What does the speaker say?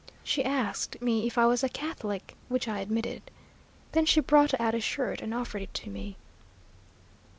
She asked me if I was a Catholic, which I admitted. Then she brought out a shirt and offered it to me.